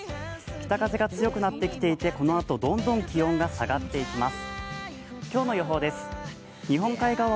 北風が強くなってきていて、このあとどんどん気温が下がっていきます。